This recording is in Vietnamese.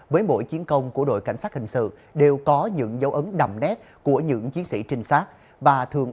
với mỗi chiến công của đội cảnh sát hình sự đều có những dấu ấn đậm nét của những chiến sĩ trinh sát và thường